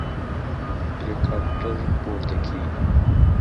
هليكاپټر پورته کېږي.